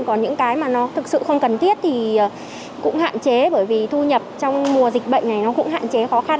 còn những cái mà nó thực sự không cần thiết thì cũng hạn chế bởi vì thu nhập trong mùa dịch bệnh này nó cũng hạn chế khó khăn